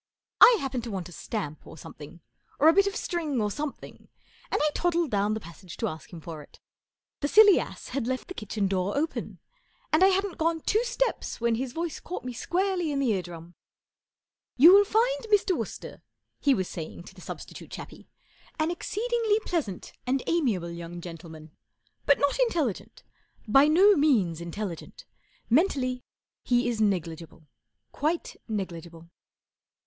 1 hap¬ pened to want a stamp or something, or a bit of string or something, and I toddled down the passage to ask him for it, The silly ass had left the kitchen door open; and I hadn't gone two steps when his voice caught me squarely in the eardrum, " You will find Mr, Wooster/' he was saying to the substitute chappie, ,4 an exceedingly pleasant and amiable young gentleman, but not intelligent. By no means intelligent. Mentally he is negligible —quite negligible.